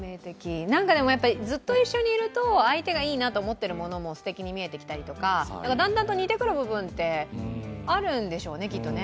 でも、ずっと一緒にいると相手がいいなと思ってるものもすてきに見えてきたりとかだんだん似てくる部分ってあるんでしょうね。